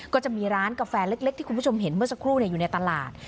ก็จะมีร้านกาแฟเล็กที่คุณผู้ชมเห็นเมื่อสักครู่อยู่ในตลาด